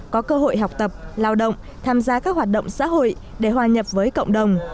có cơ hội học tập lao động tham gia các hoạt động xã hội để hòa nhập với cộng đồng